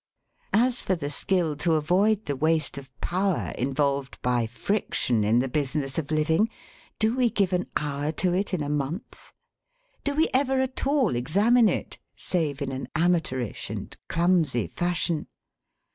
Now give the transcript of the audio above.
As for the skill to avoid the waste of power involved by friction in the business of living, do we give an hour to it in a month? Do we ever at all examine it save in an amateurish and clumsy fashion?